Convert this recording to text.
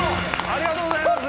ありがとうございます！